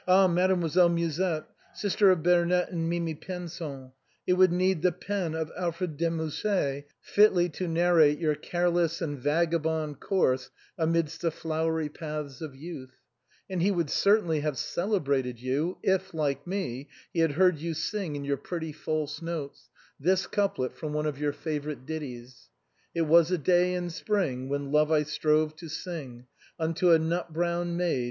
Oh ! Mademoiselle Musette, sister of Bernerette and Mimi Pinson, it would need the pen of Alfred de Musset fitly to narrate your careless and vagabond course amidst the flowery paths of youth; and he would certainly have celebrated you, if like me, he had heard you sing in your pretty false notes, this couplet from one of your favorite ditties: î'6 THE BOHEMIANS OP THE LATIN QUARTER. " It w;i6 a day in Spring When love I strove to sing Unto a nut brown maid.